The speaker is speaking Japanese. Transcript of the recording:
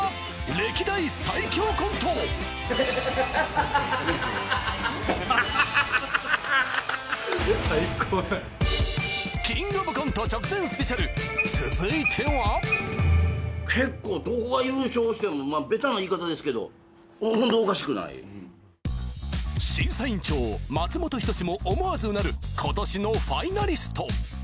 歴代最強コントアハハハハハハハ「キングオブコント」直前ＳＰ続いては結構どこが優勝してもベタな言い方ですけどホントおかしくない審査員長松本人志も思わずうなる今年のファイナリスト